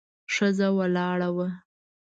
ښځه ولاړه وه.